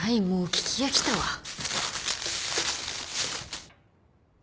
もう聞き飽きたわ。